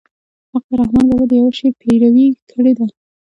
هغه د رحمن بابا د يوه شعر پيروي کړې ده.